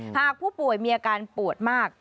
หากผู้ป่วยมีอาการปวดมาก